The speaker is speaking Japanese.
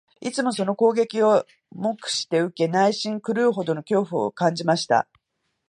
いつもその攻撃を黙して受け、内心、狂うほどの恐怖を感じました